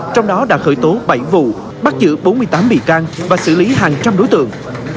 trong đó đã khởi tố bảy vụ bắt giữ bốn mươi tám bị can và xử lý hàng trăm đối tượng